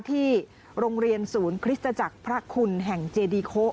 ที่โรงเรียนศูนย์คริสตจักรพระคุณแห่งเจดีโค